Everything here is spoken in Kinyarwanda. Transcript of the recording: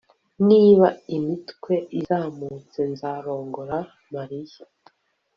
niba imitwe izamutse, nzarongora marie